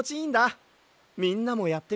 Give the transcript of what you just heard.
みんなもやってみるかい？